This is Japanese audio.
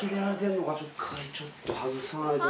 ちょっと外さないと。